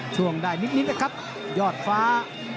ช่วงได้นิดนะครับยอดฟ้า